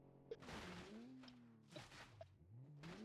他现在在丹麦手球联赛球队哥本哈根效力。